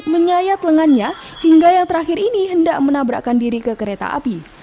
menyayat lengannya hingga yang terakhir ini hendak menabrakkan diri ke kereta api